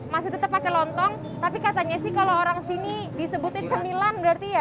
masih tetap pakai lontong tapi katanya sih kalau orang sini disebutnya cemilan berarti ya